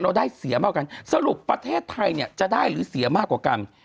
เราได้เสียมากกว่ากันสรุปประเทศไทยเนี่ยจะได้หรือเสียมากกว่ากัน